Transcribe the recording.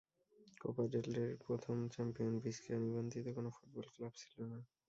Copa del রের প্রথম champion Bizkaia নিবন্ধিত কোনো ফুটবল ক্লাব ছিল না।